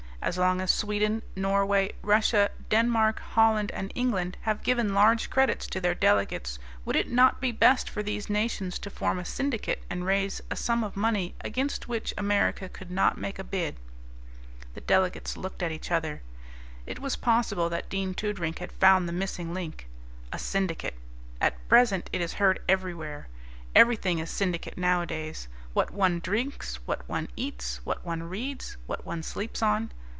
As long as Sweden, Norway, Russia, Denmark, Holland, and England have given large credits to their delegates, would it not be best for these nations to form a syndicate and raise a sum of money against which America could not make a bid? The delegates looked at each other. It was possible that Dean Toodrink had found the missing link. A syndicate at present it is heard everywhere. Everything is syndicate nowadays, what one drinks, what one eats, what one reads, what one sleeps on.